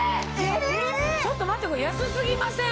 ちょっと待ってこれ安過ぎません？